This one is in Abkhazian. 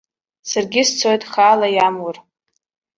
Саргьы сцоит, хаала иамур.